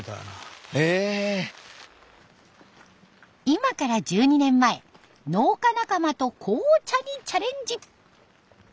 今から１２年前農家仲間と紅茶にチャレンジ！